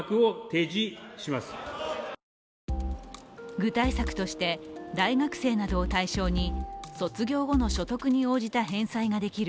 具体策として大学生などを対象に卒業後の所得に応じた返済ができる